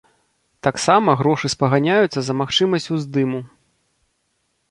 Таксама грошы спаганяюцца за магчымасць уздыму.